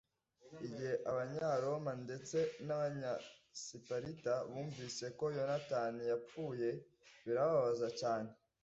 igihe abanyaroma ndetse n'abanyasiparita bumvise ko yonatani yapfuye, birabababaza cyane